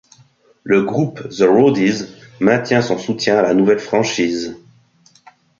Le groupe The Roadies maintient son soutien à la nouvelle franchise.